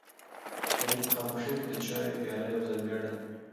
شریف په خاموشۍ کې د چایو پیاله یو ځل بیا ډکه کړه.